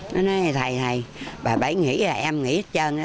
nó nói thầy này bà bảy nghỉ là em nghỉ hết trơn đó